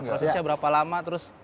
prosesnya berapa lama